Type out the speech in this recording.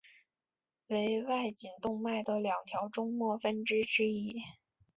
为外颈动脉的两条终末分支之一。